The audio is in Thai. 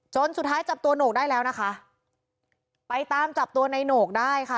สุดท้ายจับตัวโหนกได้แล้วนะคะไปตามจับตัวในโหนกได้ค่ะ